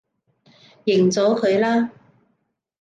認咗佢啦